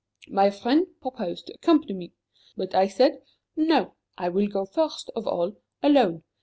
My friend proposed to accompany me. But I said: 'No. I will go, first of all, alone.